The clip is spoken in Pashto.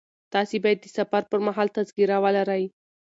تاسي باید د سفر پر مهال تذکره ولرئ.